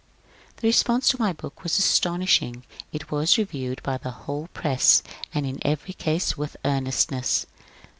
The response to my book was astonishing. It was reviewed by the whole press, and in every case with earnestness.